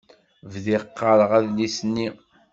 Bdiɣ qqareɣ adlis-nni.